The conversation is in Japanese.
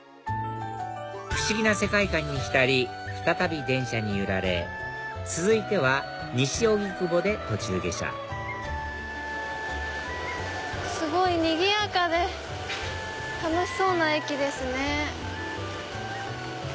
不思議な世界観に浸り再び電車に揺られ続いては西荻窪で途中下車すごいにぎやかで楽しそうな駅ですね。